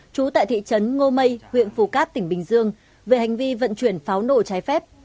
trú tại thị trấn ngô mây huyện phù cát tỉnh bình dương về hành vi vận chuyển pháo nổ trái phép